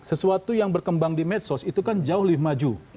sesuatu yang berkembang di medsos itu kan jauh lebih maju